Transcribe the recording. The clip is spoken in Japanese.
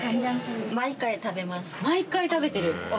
毎回食べてる？